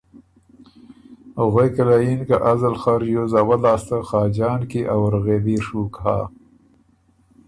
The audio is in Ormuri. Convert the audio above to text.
غوېکه له یِن که ”ازل خه ریوز اول لاسته خاجان کی ا وُرغېوي ڒُوک هۀ